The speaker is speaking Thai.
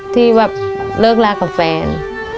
ที่แบบเลิกลากับแฟน